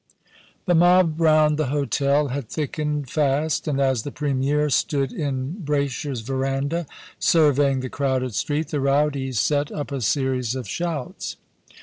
The mob round the hotel had thickened fast, and as the Premier stood in Braysher's verandah surveying the crowded street, the rowdies set up a series of shouts.